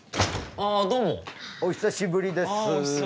あお久しぶりです。